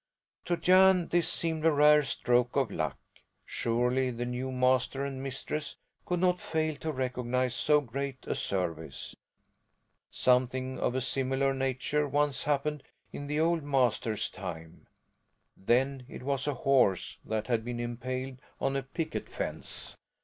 To Jan this seemed a rare stroke of luck. Surely the new master and mistress could not fail to recognize so great a service. Something of a similar nature once happened in the old master's time. Then it was a horse that had been impaled on a picket fence.